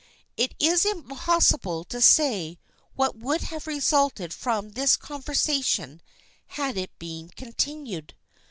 It is impossible to say what would have resulted from this conversation had it been continued.